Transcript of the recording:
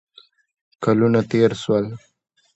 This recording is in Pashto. کلونه تېر شول.